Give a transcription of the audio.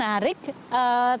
karena ini cukup menarik